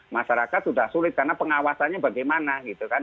masyarakat sudah sulit karena pengawasannya bagaimana gitu kan